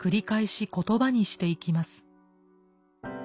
返し言葉にしていきます。